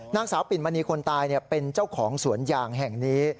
นางสาวปิ่นมณีคนตายเป็นเจ้าของสวนยางแห่งนี้